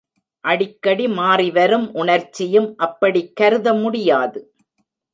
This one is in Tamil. அடிக்கடி மாறிவரும் உணர்ச்சியும் அப்படிக் கருத முடியாது.